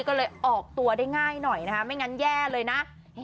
ก็เลยออกตัวได้ง่ายหน่อยนะคะไม่งั้นแย่เลยนะ